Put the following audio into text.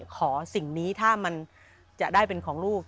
สิ่งนี้ถ้ามันจะได้เป็นของลูก